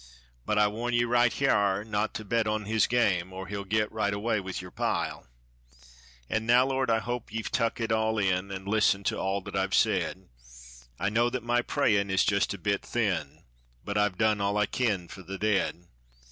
But I warn ye right hyar not to bet on his game, Or he'll get right away with yer pile. An' now, Lord, I hope that ye've tuck it all in, An' listened to all thet I've said. I know that my prayin' is just a bit thin, But I've done all I kin for the dead.